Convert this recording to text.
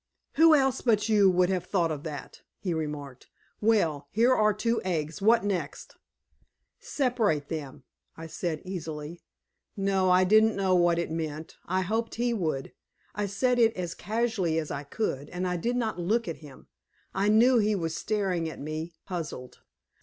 "Who else but you would have thought of that!" he remarked. "Well, here are two eggs. What next?" "Separate them," I said easily. No, I didn't know what it meant. I hoped he would; I said it as casually as I could, and I did not look at him. I knew he was staring at me, puzzled.